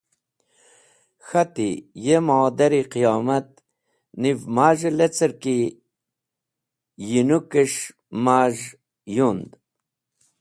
K̃hati: Ye modar-e qiyomat! Niv maz̃h lecer ki yinũkes̃h maz̃h yund.